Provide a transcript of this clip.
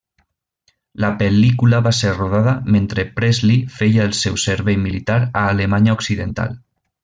La pel·lícula va ser rodada mentre Presley feia el seu servei militar a Alemanya Occidental.